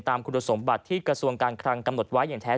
คุณสมบัติที่กระทรวงการคลังกำหนดไว้อย่างแท้